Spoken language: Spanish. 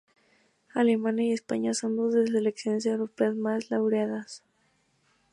Alemania y España son dos de las selecciones europeas más laureadas.